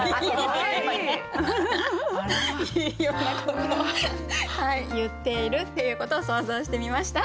ようなこと言っているっていうことを想像してみました。